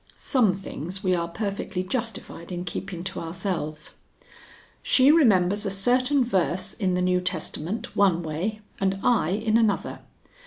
Some things we are perfectly justified in keeping to ourselves.) "She remembers a certain verse in the New Testament one way and I in another.